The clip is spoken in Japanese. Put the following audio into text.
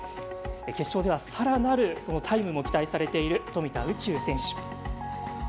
決勝ではさらなるタイムも期待されている富田宇宙選手。